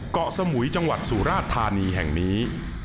เกาะสมุยจังหวัดสุราชธานีแห่งนี้